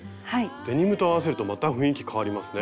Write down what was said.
デニムと合わせるとまた雰囲気変わりますね。